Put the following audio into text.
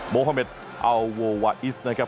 โมฮาเมดอัลโววาอิสนะครับ